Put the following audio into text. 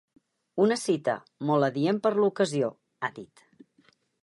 Una cita ‘molt adient per a l’ocasió’, ha dit.